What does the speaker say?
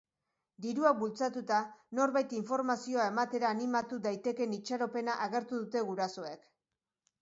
Diruak bultzatuta, norbait informazioa ematera animatu daitekeen itxaropena agertu dute gurasoek.